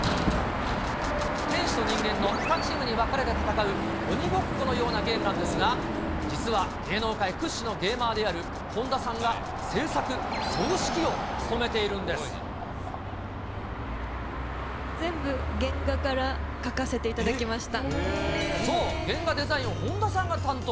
天使と人間の２チームに分かれて戦う鬼ごっこのようなゲームなんですが、実は芸能界屈指のゲーマーである本田さんが、全部、原画から描かせていたそう、原画デザインを本田さんが担当。